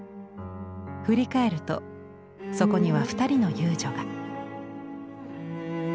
振り返るとそこには２人の遊女が。